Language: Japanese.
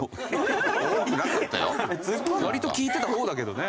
割と聞いてた方だけどね。